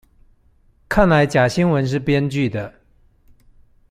看來假新聞是編劇的